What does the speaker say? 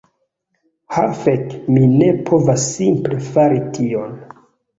Ha fek, mi ne povas simple fari tion.